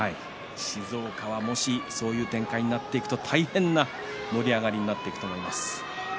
静岡はもしそういう展開になると大変な盛り上がりになると思います。